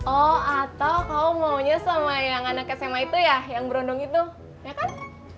oh atau kamu maunya sama yang anak sma itu ya yang berundung itu ya kan